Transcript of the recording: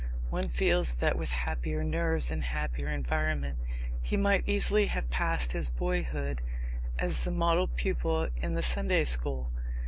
One feels that, with happier nerves and a happier environment, he might easily have passed his boyhood as the model pupil in the Sunday school.